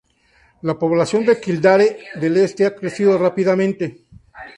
La población de Kildare del Este ha crecido rápidamente.